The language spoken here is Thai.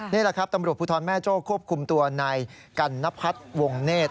นี่แหละครับตำรวจภูทรแม่โจ้ควบคุมตัวนายกัณพัฒน์วงเนธ